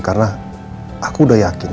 karena aku sudah yakin